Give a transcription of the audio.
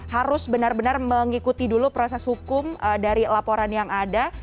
harus benar benar mengikuti dulu proses hukum dari laporan yang ada